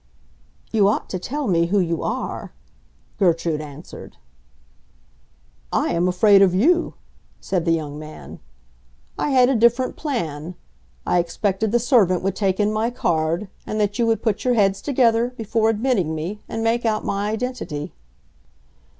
"You ought to tell me who you are," Gertrude answered. "I am afraid of you!" said the young man. "I had a different plan. I expected the servant would take in my card, and that you would put your heads together, before admitting me, and make out my identity."